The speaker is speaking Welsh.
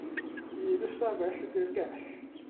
Un ystafell ydy'r gell.